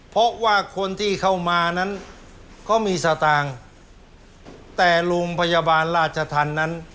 เพราะว่าคนที่เข้ามานั้นก็มีสตางค์แต่โรงพยาบาลราชธรรมนั้น